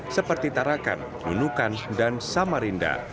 seperti tarakan nunukan dan samarinda